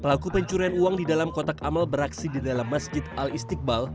pelaku pencurian uang di dalam kotak amal beraksi di dalam masjid al istiqbal